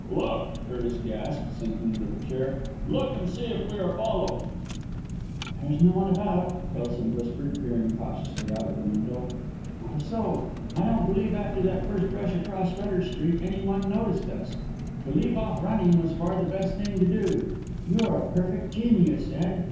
"Look!" Curtis gasped, sinking into the chair. "Look and see if we are followed!" "There's no one about!" Kelson whispered, peering cautiously out of the window. "Not a soul! I don't believe after that first rush across Rutter Street, any one noticed us. To leave off running was far the best thing to do. You are a perfect genius, Ed.